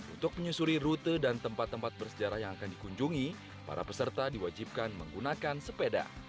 untuk menyusuri rute dan tempat tempat bersejarah yang akan dikunjungi para peserta diwajibkan menggunakan sepeda